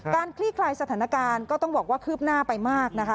คลี่คลายสถานการณ์ก็ต้องบอกว่าคืบหน้าไปมากนะคะ